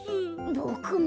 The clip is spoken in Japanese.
ボクも。